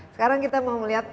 sekarang kita mau melihat